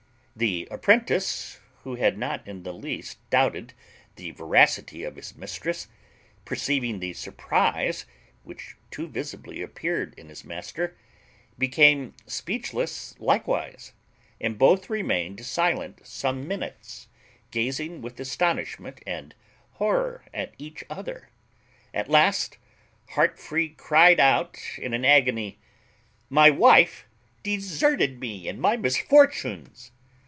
The apprentice, who had not in the least doubted the veracity of his mistress, perceiving the surprize which too visibly appeared in his master, became speechless likewise, and both remained silent some minutes, gazing with astonishment and horror at each other. At last Heartfree cryed out in an agony, "My wife deserted me in my misfortunes!"